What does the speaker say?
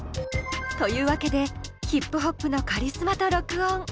というわけでヒップホップのカリスマと録音。